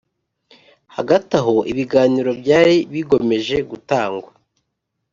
hagati aho ibiganiro byari bigomeje gutangwa